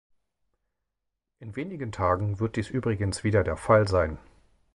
In wenigen Tagen wird dies übrigens wieder der Fall sein.